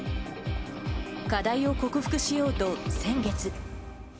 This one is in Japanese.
課題を克服しようと、先月。